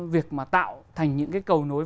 việc mà tạo thành những cái cầu nối